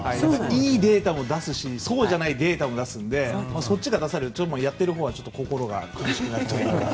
いいデータも出すしそうじゃないデータも出すのでそっちが出されるとやっているほうは心が苦しくなっちゃう。